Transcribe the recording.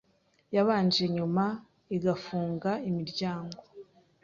yabanje nyuma igafunga imiryango,